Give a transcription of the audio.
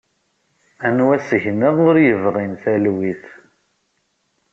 Anwa seg-neɣ ur yebɣin talwit?